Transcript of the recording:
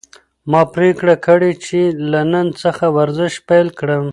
ما پریکړه کړې چې له نن څخه ورزش پیل کړم.